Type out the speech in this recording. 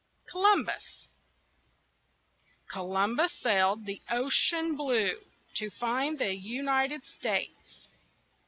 COLUMBUS Columbus sailed over the ocean blue To find the United States.